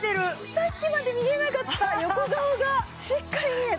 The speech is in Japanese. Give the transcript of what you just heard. さっきまで見えなかった横顔がしっかり見えた！